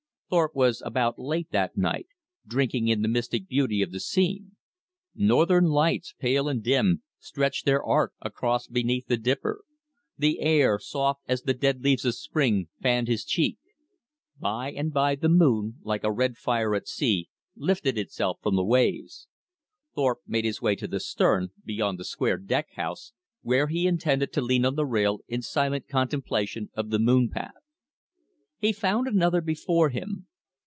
Thorpe was about late that night, drinking in the mystic beauty of the scene. Northern lights, pale and dim, stretched their arc across beneath the Dipper. The air, soft as the dead leaves of spring, fanned his cheek. By and by the moon, like a red fire at sea, lifted itself from the waves. Thorpe made his way to the stern, beyond the square deck house, where he intended to lean on the rail in silent contemplation of the moon path. He found another before him.